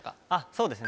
そうですね